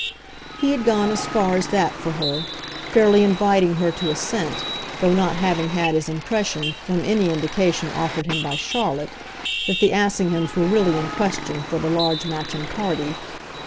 he had gone as far as that for her, fairly inviting her to assent, though not having had his impression, from any indication offered him by Charlotte, that the Assinghams were really in question for the large Matcham party.